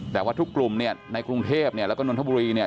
แต่ว่าทุกกลุ่มเนี่ยในกรุงเทพเนี่ยแล้วก็นนทบุรีเนี่ย